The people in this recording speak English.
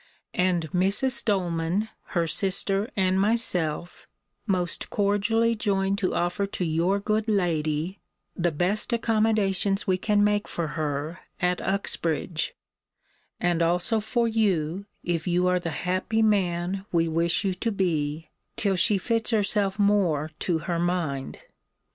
And Mrs. Doleman, her sister, and myself, most cordially join to offer to your good lady the best accommodations we can make for her at Uxbridge (and also for you, if you are the happy man we wish you to be), till she fits herself more to her mind.